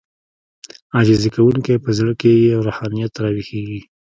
عاجزي کوونکی په زړه کې يې روحانيت راويښېږي.